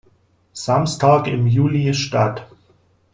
Samstag im Juli statt.